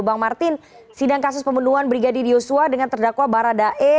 bang martin sidang kasus pembunuhan brigadir yosua dengan terdakwa baradae